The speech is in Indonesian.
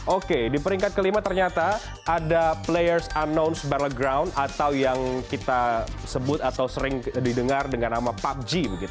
oke di peringkat kelima ternyata ada players unknowns ⁇ battleground atau yang kita sebut atau sering didengar dengan nama pubg